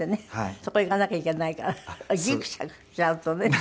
そこ行かなきゃいけないからギクシャクしちゃうとね。